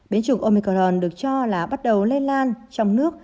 biến chủng omicron được cho là bắt đầu lây lan trong nước